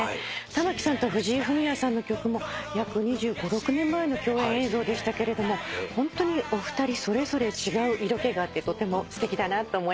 玉置さんと藤井フミヤさんの曲も約２５２６年前の共演映像でしたけれどもホントにお二人それぞれ違う色気があってとてもすてきだなと思いましたし